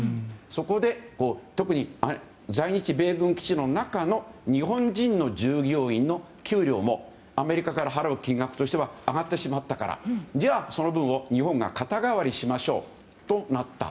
そこで、特に在日米軍基地の中の日本人の従業員の給料も給料もアメリカから払う金額としては上がってしまったからじゃあ、その分を日本が肩代わりしましょうとなった。